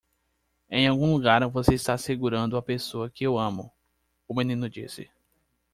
"Em algum lugar você está segurando a pessoa que eu amo?" o menino disse.